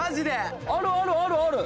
「あるあるあるある！」